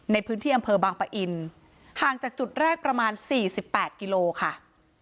ในพื้นที่อำเภอบางปะอินห่างจากจุดแรกประมาณ๔๘กิโลค่ะ